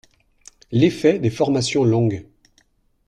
L’effet des formations longues.